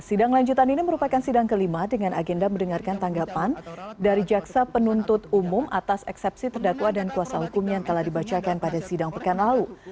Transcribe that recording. sidang lanjutan ini merupakan sidang kelima dengan agenda mendengarkan tanggapan dari jaksa penuntut umum atas eksepsi terdakwa dan kuasa hukum yang telah dibacakan pada sidang pekan lalu